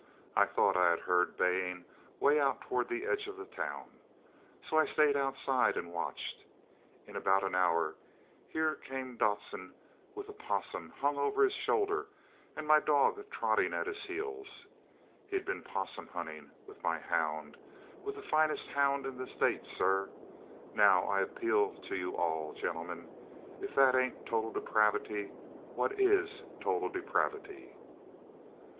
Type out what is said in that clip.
I thought I had heard bayin' way out towards the edge of the town. So I stayed outside and watched. In about an hour here came Dodson with a possum hung over his shoulder and my dog trottin' at his heels. He 'd been possum huntin' with my hound with the finest hound in the State, sir. Now, I appeal to you all, gentlemen, if that ain't total depravity, what is total depravity?"